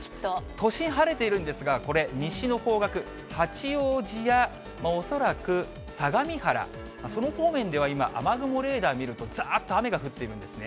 都心、晴れているんですが、これ、西の方角、八王子や恐らく相模原、その方面では今、雨雲レーダー見るとざーっと雨が降っているんですね。